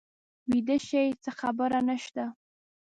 ویده شئ څه خبره نه شته.